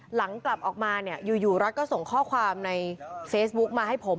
หลังกลับออกมาเนี่ยอยู่รัฐก็ส่งข้อความในเฟซบุ๊กมาให้ผม